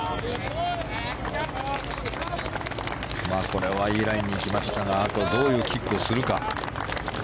これはいいラインに行きましたがあとはどういうキックをするか。